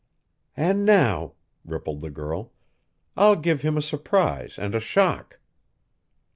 "And now," rippled the girl, "I'll give him a surprise and a shock!"